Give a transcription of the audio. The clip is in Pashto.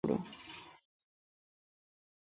باید خپلوان د مطالعې په اهمیت پوه کړو.